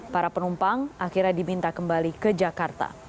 para penumpang akhirnya diminta kembali ke jakarta